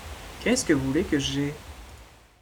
Qu’est-ce que vous voulez que j’aie ?